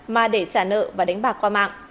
mà để trả nợ và đánh bạc qua mạng